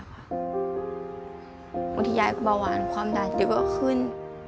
วันที่ยายเบาหวานความดันก็ขึ้น